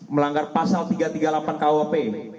melanggar pasal tiga ratus tiga puluh delapan kuhp